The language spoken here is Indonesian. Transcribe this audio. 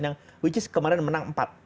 yang kemarin menang empat